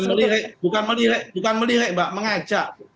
melirik bukan melirik bukan melirik mbak mengajak